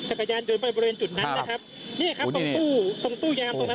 จักรยานยนต์ไปบริเวณจุดนั้นนะครับเนี่ยครับตรงตู้ตรงตู้ยามตรงนั้น